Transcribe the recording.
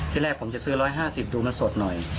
แรกผมจะซื้อ๑๕๐ดูมันสดหน่อย